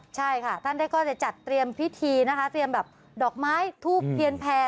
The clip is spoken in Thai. ใช่ค่ะท่านได้ก็จะจัดเตรียมพิธีนะคะเตรียมแบบดอกไม้ทูบเทียนแพร่